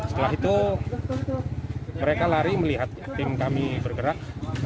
setelah itu mereka lari melihat tim kami bergerak